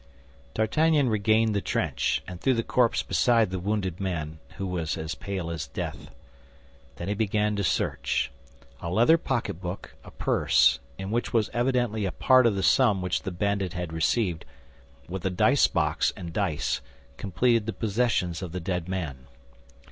D'Artagnan regained the trench, and threw the corpse beside the wounded man, who was as pale as death. Then he began to search. A leather pocketbook, a purse, in which was evidently a part of the sum which the bandit had received, with a dice box and dice, completed the possessions of the dead man.